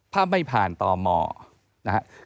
ถ้าไม่ผ่านต่อหมอนะครับ